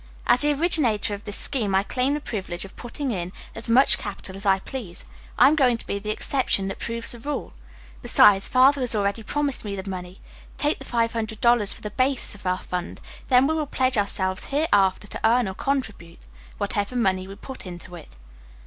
"As the originator of this scheme I claim the privilege of putting in as much capital as I please. I am going to be the exception that proves the rule. Besides, Father has already promised me the money. Take the five hundred dollars for the basis of our fund, then we will pledge ourselves hereafter to earn or contribute whatever money we put into it."